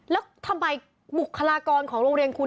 แล้วทำไมบุคลากรของโรงเรียนคุณ